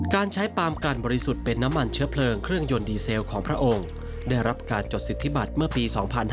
การใช้ปามกันบริสุทธิ์เป็นน้ำมันเชื้อเพลิงเครื่องยนต์ดีเซลของพระองค์ได้รับการจดสิทธิบัตรเมื่อปี๒๕๕๙